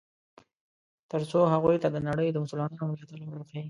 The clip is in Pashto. ترڅو هغوی ته د نړۍ د مسلمانانو ملاتړ ور وښیي.